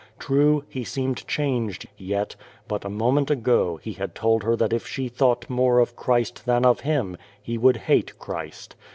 True, he seemeil changed, yet, but a moment ago, he had told her that if she thought more of Christ than of him, he would hate Christ.